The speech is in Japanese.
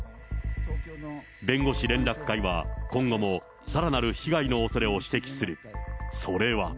弁護士連絡会は、今後もさらなる被害のおそれを指摘する。